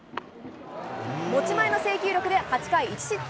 持ち前の制球力で、８回、１失点。